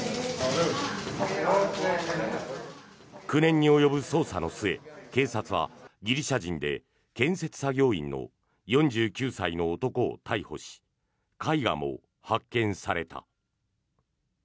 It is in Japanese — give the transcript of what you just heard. ９年に及ぶ捜査の末警察はギリシャ人で建設作業員の４９歳の男を逮捕し絵画も発見された。